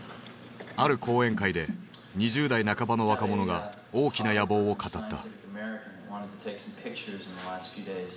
ある講演会で２０代半ばの若者が大きな野望を語った。